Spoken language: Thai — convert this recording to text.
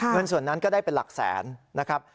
เงินส่วนนั้นก็ได้เป็นหลักแสนนะครับ